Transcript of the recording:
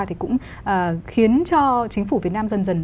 thì cũng khiến cho chính phủ việt nam dần dần